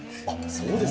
そうですか。